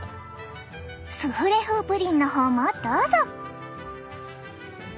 スフレ風プリンの方もどうぞ！